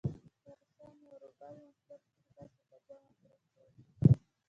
که روسان یو روبل مصرف کړي، تاسې به دوه مصرف کړئ.